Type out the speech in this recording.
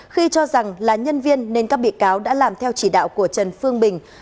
khi cho rằng là nhân viên nên các bị cáo đã làm theo chỉ đạo của trần phương bình